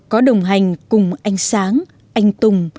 có đồng hành cùng anh sáng anh tùng